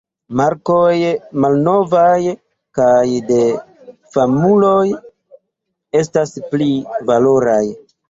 Markoj malnovaj kaj de famuloj estas pli valoraj.